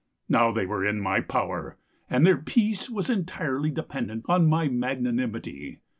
Now they were in my power, and their peace was entirely dependent on my magnanimity.